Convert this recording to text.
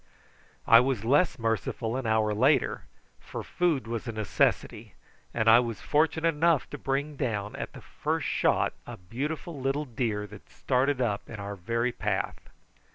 I was less merciful an hour later, for food was a necessity, and I was fortunate enough to bring down at the first shot a beautiful little deer that started up in our very path.